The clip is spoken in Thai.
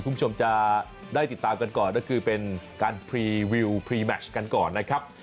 คุณผู้ชมจะได้ติดตามกันก่อนก็คือเป็นการพรีวิวพรีแมชกันก่อนนะครับ